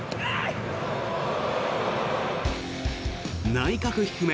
内角低め